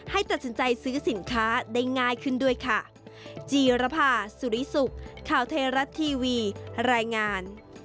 ให้ตัดสินใจซื้อสินค้าได้ง่ายขึ้นด้วยค่ะ